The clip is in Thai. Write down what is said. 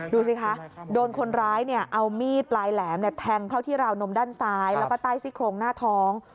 ดูสิคะโดนคนร้ายเอามีดปลายแหลมแทงเข้าที่ราวนมด้านซ้ายแล้วก็ใต้ซี่โครงหน้าท้อง